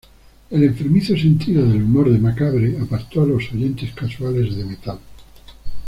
El enfermizo sentido del humor de Macabre apartó a los oyentes casuales de metal.